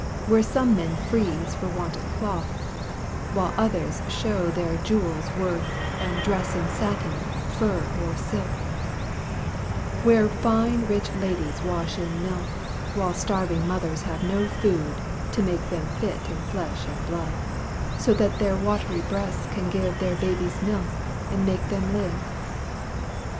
Where some men freeze for want of cloth, While others show their jewels' worth And dress in satin, fur or silk; Where fine rich ladies wash in milk, While starving mothers have no food To make them fit in flesh and blood; So that their watery breasts can give Their babies milk and make them live.